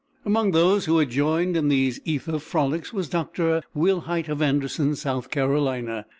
Among those who had joined in these ether frolics was Dr. Wilhite of Anderson, South Carolina.